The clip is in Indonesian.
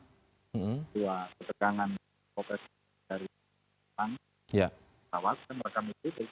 dua ketegangan operasi dari pesawat dan merekam itu